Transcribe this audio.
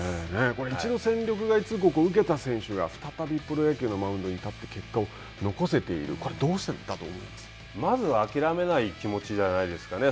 これ、一度戦力外通告を受けた選手が再びプロ野球のマウンドに立って結果を残せている、これはまずは諦めない気持ちじゃないですかね。